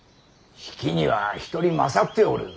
比企には１人勝っておる。